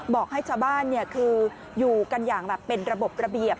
บอกให้ชาวบ้านคืออยู่กันอย่างแบบเป็นระบบระเบียบ